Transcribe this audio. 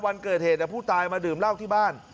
วันเกิดเหตุผู้ตายมาดื่มเหล้าที่บ้าน